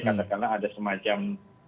katakanlah ada semacam